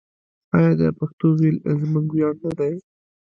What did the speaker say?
آیا د پښتو ویل زموږ ویاړ نه دی؟